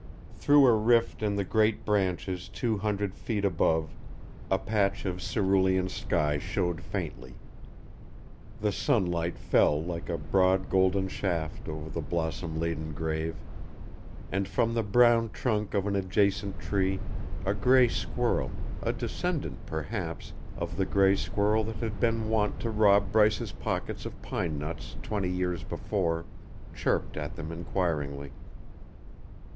Through a rift in the great branches two hundred feet above, a patch of cerulean sky showed faintly; the sunlight fell like a broad golden shaft over the blossom laden grave, and from the brown trunk of an adjacent tree a gray squirrel, a descendant, perhaps, of the gray squirrel that had been wont to rob Bryce's pockets of pine nuts twenty years before, chirped at them inquiringly.